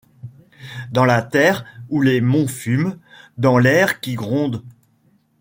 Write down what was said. Dans la terre où les monts fument, dans l’air qui gronde ;